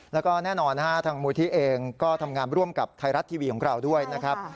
แล้วก็แน่นอนทางมูลที่เองก็ทำงานร่วมกับไทยรัฐทีวีของเราด้วยนะครับ